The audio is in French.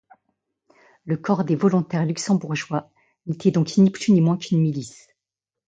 Le Corps des Volontaires luxembourgeois n'était donc ni plus ni moins qu'une milice.